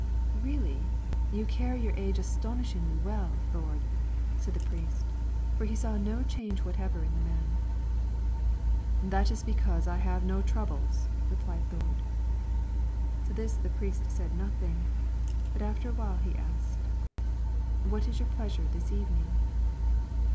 "Really, you carry your age astonishingly well, Thord," said the priest; for he saw no change whatever in the man. "That is because I have no troubles," replied Thord. To this the priest said nothing, but after a while he asked, "What is your pleasure this evening?"